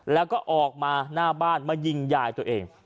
แล้วก็ออกมาหน้าบ้านมายิงยายตัวเอง